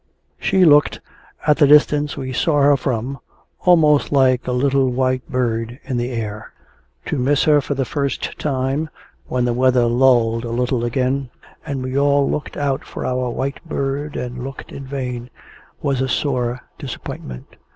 She looked, at the distance we saw her from, almost like a little white bird in the air. To miss her for the first time, when the weather lulled a little again, and we all looked out for our white bird and looked in vain, was a sore disappointment.